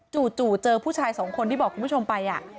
จู่เจอผู้ชายสองคนที่บอกคุณผู้ชมไป